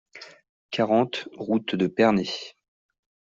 quarante route de Pernay